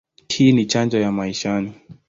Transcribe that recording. Hii ni chanjo ya maishani.